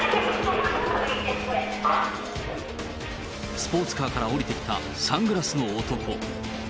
スポーツカーから降りてきたサングラスの男。